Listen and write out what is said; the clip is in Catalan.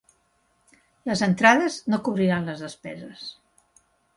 Les entrades no cobriran les despeses.